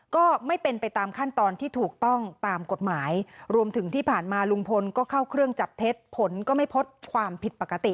ก็ไม่เป็นไปตามขั้นตอนที่ถูกต้องตามกฎหมายรวมถึงที่ผ่านมาลุงพลก็เข้าเครื่องจับเท็จผลก็ไม่พบความผิดปกติ